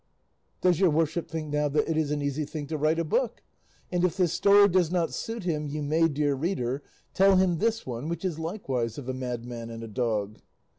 Does your worship think now, that it is an easy thing to write a book? And if this story does not suit him, you may, dear reader, tell him this one, which is likewise of a madman and a dog.